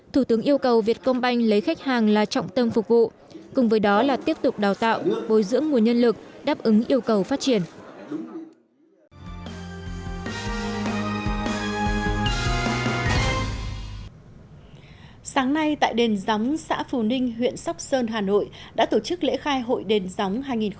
thủ tướng yêu cầu việt công banh lấy khách hàng là trọng tâm phục vụ cùng với đó là tiếp tục đào tạo bồi dưỡng nguồn nhân lực đáp ứng yêu cầu phát triển